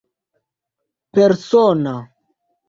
persona